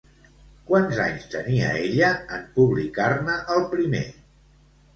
Quants anys tenia ella en publicar-ne el primer?